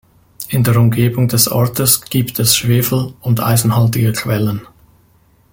In der Umgebung des Ortes gibt es schwefel- und eisenhaltige Quellen.